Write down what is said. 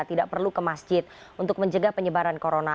tidak perlu ke masjid untuk mencegah penyebaran corona